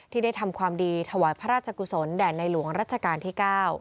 ได้ทำความดีถวายพระราชกุศลแด่ในหลวงรัชกาลที่๙